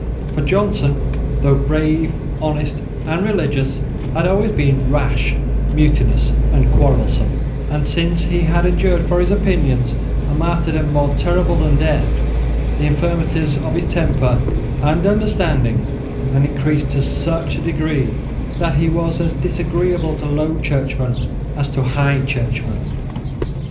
For Johnson, though brave, honest and religious, had always been rash, mutinous and quarrelsome; and, since he had endured for his opinions a martyrdom more terrible than death, the infirmities of his temper and understanding had increased to such a degree that he was as disagreeable to Low Churchmen as to High Churchmen.